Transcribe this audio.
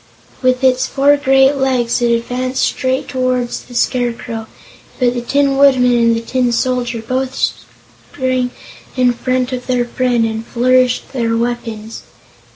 With its four great legs it advanced straight toward the Scarecrow, but the Tin Woodman and the Tin Soldier both sprang in front of their friend and flourished their weapons.